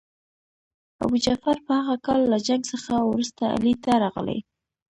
ابوجعفر په هغه کال له جنګ څخه وروسته علي ته راغی.